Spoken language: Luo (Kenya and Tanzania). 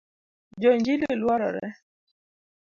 Jo injili luorore